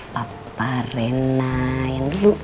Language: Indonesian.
papa rena yang dulu